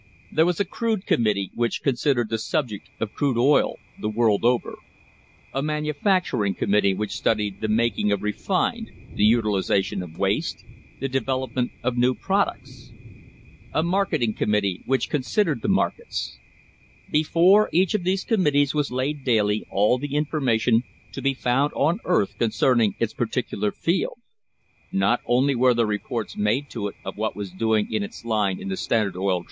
There was a Crude Committee which considered the subject of crude oil, the world over; a Manu facturing Committee which studied the making of refined, the utilisation of waste, the development of new products; a Marketing Committee which considered the markets. Before each of these committees was laid daily all the information to be found on earth concerning its particular field; not only were there reports made to it of what was doing in its line in the Standard Oil Trust, but information came of everything S. C. T. DODD Chief counsel of the Standard Oil Company.